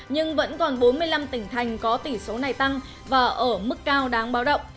nhưng vẫn còn bốn mươi năm tỉnh thành có tỷ số này tăng và ở mức cao đáng báo động